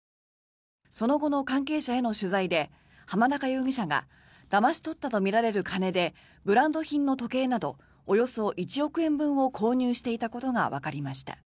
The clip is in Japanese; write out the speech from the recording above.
その後の関係者への取材で濱中容疑者がだまし取ったとみられる金でブランド品の時計などおよそ１億円分を購入していたことがわかりました。